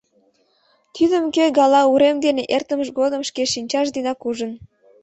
Тидым кӧ гала урем дене эртымыж годым шке шинчаж денак ужын.